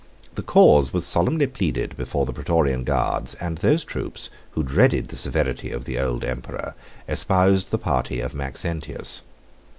The cause was solemnly pleaded before the Prætorian guards; and those troops, who dreaded the severity of the old emperor, espoused the party of Maxentius.